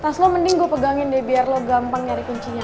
tas lu mending gua pegangin deh biar lu gampang nyari kuncinya